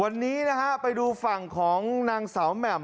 วันนี้นะฮะไปดูฝั่งของนางสาวแหม่ม